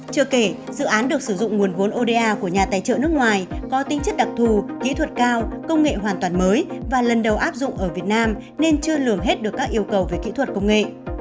chưa kể dự án được sử dụng nguồn vốn oda của nhà tài trợ nước ngoài có tinh chất đặc thù kỹ thuật cao công nghệ hoàn toàn mới và lần đầu áp dụng ở việt nam nên chưa lường hết được các yêu cầu về kỹ thuật công nghệ